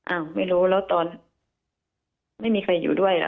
อ้าวไม่รู้แล้วตอนไม่มีใครอยู่ด้วยล่ะ